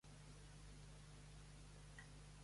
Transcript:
Per a què va fundar Nicolau Rolin l'hospital?